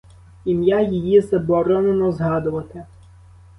Ім'я її заборонено згадувати.